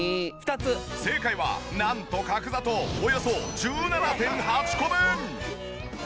正解はなんと角砂糖およそ１７．８個分！